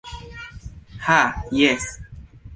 Ha jes!